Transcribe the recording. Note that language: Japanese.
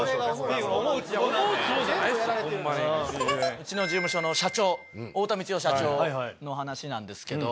うちの事務所の社長太田光代社長の話なんですけど。